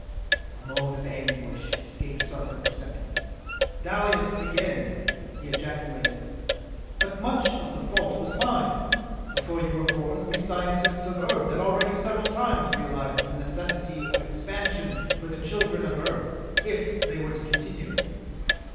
A moan of anguish escaped Sarka the Second. "Dalis again!" he ejaculated. "But much of the fault was mine! Before you were born, we scientists of Earth had already several times realized the necessity of expansion for the children of Earth if they were to continue.